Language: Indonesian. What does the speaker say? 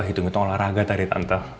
hidung itu olahraga tadi tante